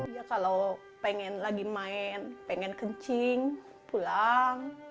ia kalau ingin lagi main ingin kencing pulang